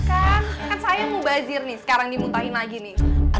kan saya mubazir nih sekarang dimuntahin lagi nih